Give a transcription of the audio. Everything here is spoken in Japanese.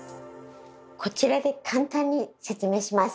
こちらで簡単に説明します。